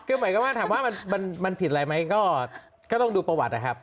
คือหมายความว่าถามว่ามันผิดอะไรไหมก็ต้องดูประวัตินะครับ